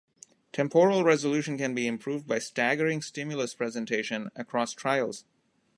Temporal resolution can be improved by staggering stimulus presentation across trials.